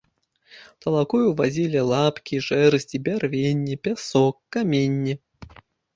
Талакою вазілі лапкі, жэрдзі, бярвенне, пясок, каменне.